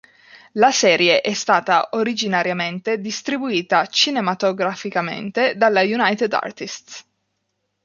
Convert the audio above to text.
La serie è stata originariamente distribuita cinematograficamente dalla United Artists.